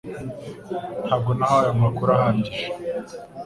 Ntabwo nahawe amakuru ahagije